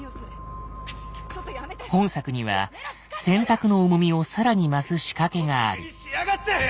本作には選択の重みを更に増す仕掛けがある。